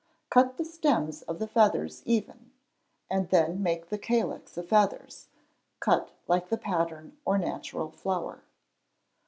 Cut the stems of the feathers even, and then make the calyx of feathers, cut like the pattern or natural flower.